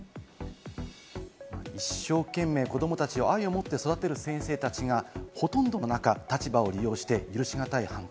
一生懸命子供たちを愛を持って育てる先生たちがほとんどの中、立場を利用して、ゆるし難い犯行。